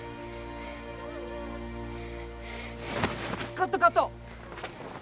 ・カットカット！